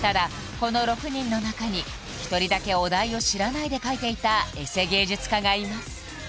この６人の中に１人だけお題を知らないで描いていたエセ芸術家がいます